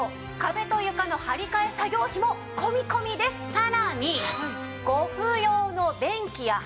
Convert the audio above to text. さらに。